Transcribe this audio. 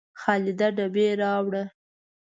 خالده ډبې راوړه